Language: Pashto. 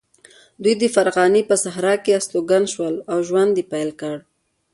دوی د فرغانې په صحرا کې استوګن شول او ژوند یې پیل کړ.